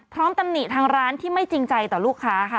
ตำหนิทางร้านที่ไม่จริงใจต่อลูกค้าค่ะ